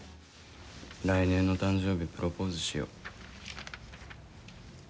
来年の誕生日プロポーズしよ。